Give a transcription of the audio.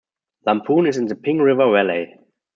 Lamphun is in the Ping River valley.